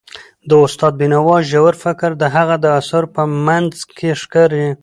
د استاد بینوا ژور فکر د هغه د اثارو په منځ کې ښکاري.